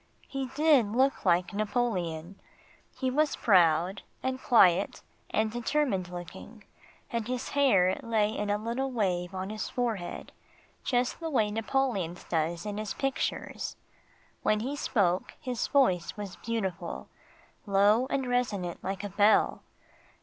He did look like Napoleon. He was proud, and quiet and determined looking, and his hair lay in a little wave on his forehead, just the way Napoleon's does in his pictures. When he spoke, his voice was beautiful low and resonant like a bell.